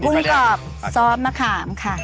ุ้นกรอบซอสมะขามค่ะ